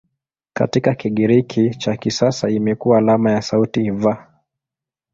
Katika Kigiriki cha kisasa imekuwa alama ya sauti "V".